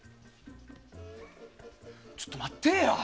ちょっと待ってや！